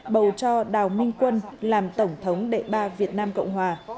bầu cho đào minh quân làm tổng thống đệ ba việt nam cộng hòa